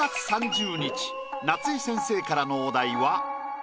夏井先生からのお題は。